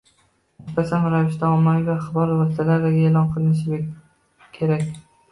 muntazam ravishda ommaviy axborot vositalarida e’lon qilinishi kerak.